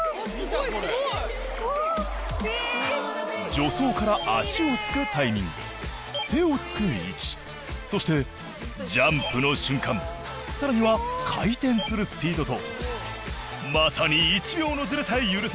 助走から足をつくタイミング手をつく位置そしてジャンプの瞬間さらには回転するスピードとまさに１秒のズレさえ許さない